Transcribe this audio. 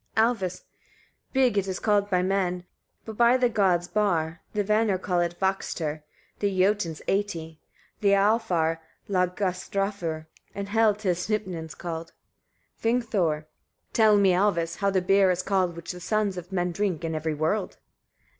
Alvis. 33. Bygg it is called by men, but by the gods barr, the Vanir call it vaxtr, the Jotuns æti, the Alfar lagastafr; in Hel 'tis hnipinn called. Vingthor. 34. Tell me, Alvis! etc., how the beer is called, which the sons of men drink in every world.